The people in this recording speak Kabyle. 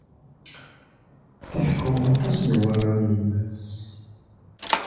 Tḥekku aṭas Newwara i yemma-s.